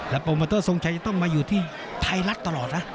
โปรโมเตอร์ทรงชัยจะต้องมาอยู่ที่ไทยรัฐตลอดนะ